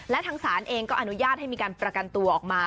และทางศาลเองก็อนุญาตให้มีการประกันตัวออกมา